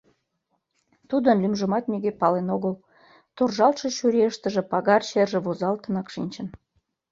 Тудын лӱмжымат нигӧ пален огыл, туржалтше чурийыштыже пагар черже возалтынак шинчын.